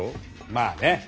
まあね！